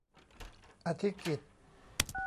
อธิกิตติ์